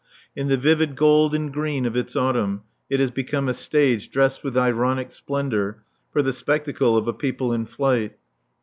In the vivid gold and green of its autumn it has become a stage dressed with ironic splendour for the spectacle of a people in flight.